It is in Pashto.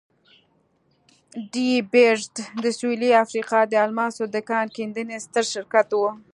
ډي بیرز د سوېلي افریقا د الماسو د کان کیندنې ستر شرکت وو.